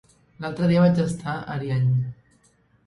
L'altre dia vaig estar a Ariany.